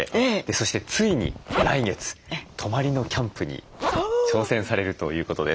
そしてついに来月泊まりのキャンプに挑戦されるということです。